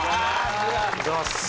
お願いします